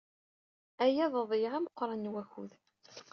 Aya d aḍeyyeɛ ameqran n wakud.